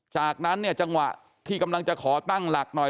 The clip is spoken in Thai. จากนั้นเนี่ยจังหวะที่กำลังจะขอตั้งหลักหน่อย